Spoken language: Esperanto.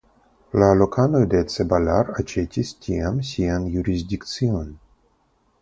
La lokanoj de Caballar aĉetis tiam sian jurisdikcion.